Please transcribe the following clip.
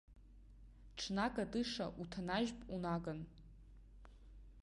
Ҽнак атыша уҭанажьып унаган.